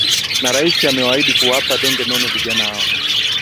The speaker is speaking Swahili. na rais amewaahidi kuwapa donge nono vijana hawa